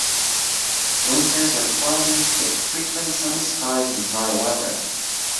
Winters are pleasant with frequent sunny skies and dry weather.